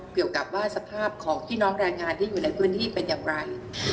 เกี่ยวกับว่าสภาพของพี่น้องแรงงานที่อยู่ในพื้นที่เป็นอย่างไร